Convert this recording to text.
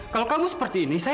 kalau kamu seperti ini